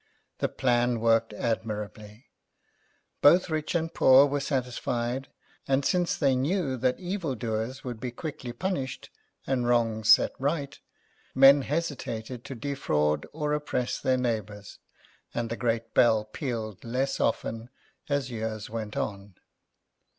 The plan worked admirably; both rich and poor were satisfied, and since they knew that evil doers would be quickly punished, and wrongs set right, men hesitated to defraud or oppress their neighbours, and the great bell pealed less often as years went on.